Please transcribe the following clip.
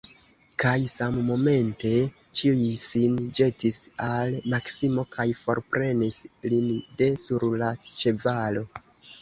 Kaj sammomente ĉiuj sin ĵetis al Maksimo kaj forprenis lin de sur la ĉevalo.